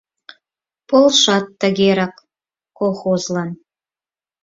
Полшат тыгерак колхозлан.